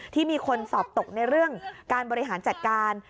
ที่มีคนสอบตกในเรื่องการบริหารจัดการ